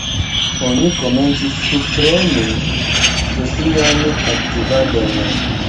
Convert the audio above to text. Oni komencis subpremi socian aktivadon.